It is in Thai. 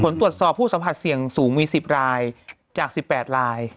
ผลตรวจสอบผู้สัมผัสเสี่ยงสูงมี๑๐รายจาก๑๘ราย